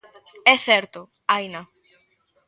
É certo, haina.